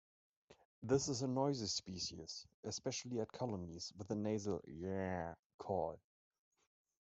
This is a noisy species, especially at colonies, with a nasal "yeah" call.